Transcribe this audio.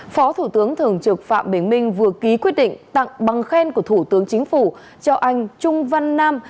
phó thủ tướng thường trực phạm bình minh vừa ký quyết định tặng bằng khen của thủ tướng chính phủ cho anh trung văn nam